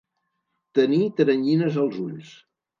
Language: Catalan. Tenir teranyines als ulls.